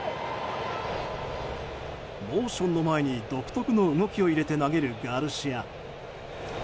モーションの前に独特の動きを入れて投げるガルシア。